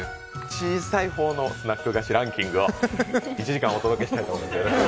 小さい方のスナック菓子ランキングを１時間お届けしたいと思っております。